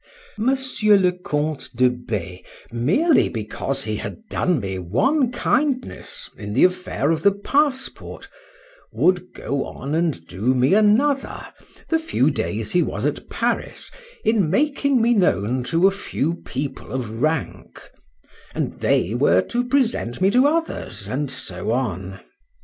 Monsieur le Count de B—, merely because he had done me one kindness in the affair of my passport, would go on and do me another, the few days he was at Paris, in making me known to a few people of rank; and they were to present me to others, and so on.